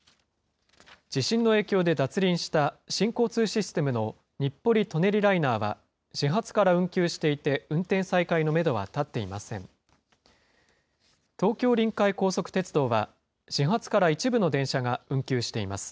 地震の影響で脱輪した新交通システムの日暮里・舎人ライナーは、始発から運休していて、運転再開のメドは立っていません。